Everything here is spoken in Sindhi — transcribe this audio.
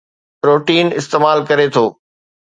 پروٽين استعمال ڪري ٿو